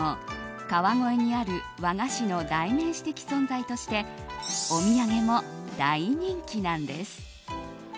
川越にある和菓子の代名詞的存在としてお土産も大人気なんです。